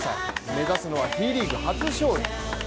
目指すのはＴリーグ初勝利。